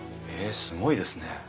へえすごいですね。